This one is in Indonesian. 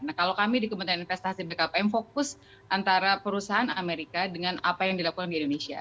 nah kalau kami di kementerian investasi bkpm fokus antara perusahaan amerika dengan apa yang dilakukan di indonesia